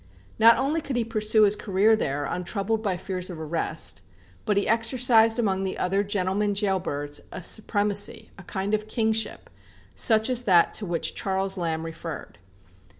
Not only could he pursue his career there untroubled by fears of arrest, but he exercised among the other "gentlemen gaol birds" a supremacy, a kind of kingship, such as that to which Charles Lamb referred.